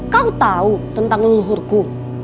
kau tahu tentang leluhurku